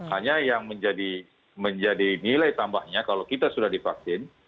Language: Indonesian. hanya yang menjadi nilai tambahnya kalau kita sudah divaksin